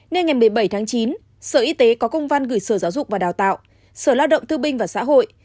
nên ngày một mươi bảy tháng chín sở y tế có công văn gửi sở giáo dục và đào tạo sở lao động thương binh và xã hội